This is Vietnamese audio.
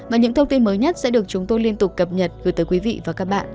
và những thông tin mới nhất sẽ được chúng tôi liên tục cập nhật gửi tới quý vị và các bạn